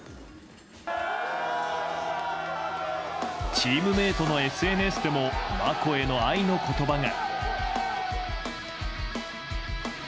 チームメートのＳＮＳでもマコへの愛の言葉が。